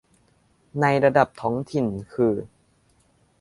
ในระดับท้องถิ่นคือ